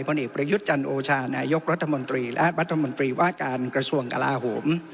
เอกประยุทธ์จันโอชานายกรัฐมนตรีและรัฐมนตรีว่าการกระทรวงกลาโหม